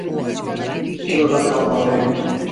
Burada kalmalıyım.